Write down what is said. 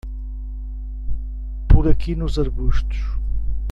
Por aqui nos arbustos.